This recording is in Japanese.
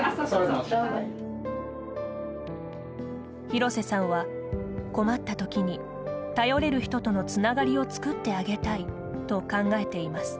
廣瀬さんは、困ったときに頼れる人とのつながりを作ってあげたいと考えています。